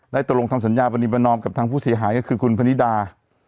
ตกลงทำสัญญาปรณีประนอมกับทางผู้เสียหายก็คือคุณพนิดา